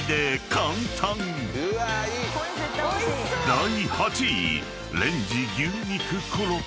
［第８位］